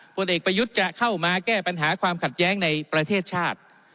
ผลเอกประยุทธ์จะเข้ามาแก้ปัญหาความขัดแย้งในประเทศชาติ